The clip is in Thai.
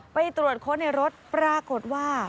ไปตรวจค้นในรถปรากฏว่า